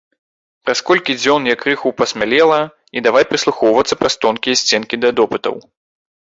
Праз колькі дзён я крыху пасмялела і давай прыслухоўвацца праз тонкія сценкі да допытаў.